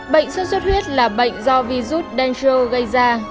bệnh xuất huyết là bệnh do virus danger gây ra